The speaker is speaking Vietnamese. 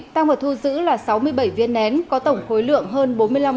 tăng vật thu giữ là sáu mươi bảy viên nén có tổng khối lượng hơn bốn mươi năm